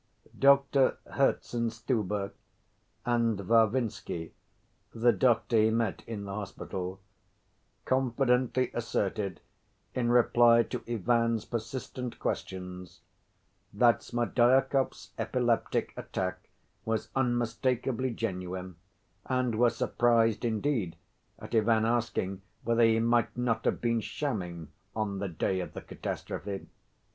Doctor Herzenstube and Varvinsky, the doctor he met in the hospital, confidently asserted in reply to Ivan's persistent questions, that Smerdyakov's epileptic attack was unmistakably genuine, and were surprised indeed at Ivan asking whether he might not have been shamming on the day of the catastrophe.